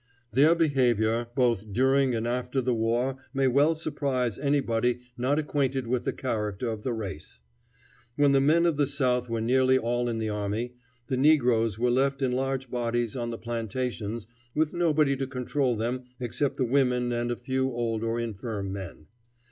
Their behavior both during and after the war may well surprise anybody not acquainted with the character of the race. When the men of the South were nearly all in the army, the negroes were left in large bodies on the plantations with nobody to control them except the women and a few old or infirm men.